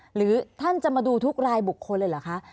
หรือท่านจะมาดูทุกรายบุคคลเลยเหรอคะ